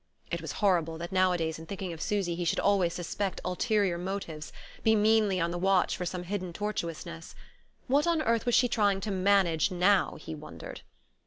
It was horrible that nowadays, in thinking of Susy, he should always suspect ulterior motives, be meanly on the watch for some hidden tortuousness. What on earth was she trying to "manage" now, he wondered.